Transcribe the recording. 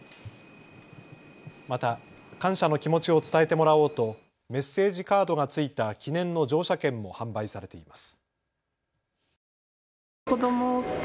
また感謝の気持ちを伝えてもらおうとメッセージカードが付いた記念の乗車券も販売されています。